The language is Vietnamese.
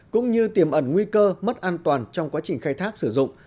cũng như tiềm ẩn nguy cơ mất an toàn trong quá trình khai thác sử dụng